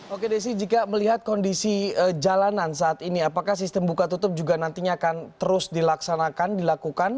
oke desi jika melihat kondisi jalanan saat ini apakah sistem buka tutup juga nantinya akan terus dilaksanakan dilakukan